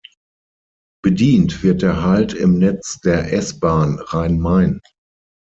Bedient wird der Halt im Netz der S-Bahn Rhein-Main.